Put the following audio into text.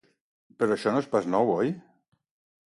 Però això no és pas nou, oi?